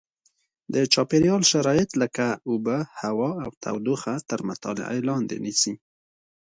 د چاپېریال شرایط لکه اوبه هوا او تودوخه تر مطالعې لاندې نیسي.